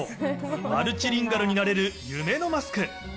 マルチリンガルになれる夢のマスク。